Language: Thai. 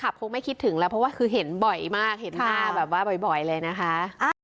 นะไงไม่คิดถึงรับว่าคือเห็นบ่อยมาเห็นหาแบบว่าบ่อยแบบเลยนะคะ